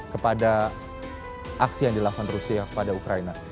kepada aksi yang dilakukan rusia pada ukraina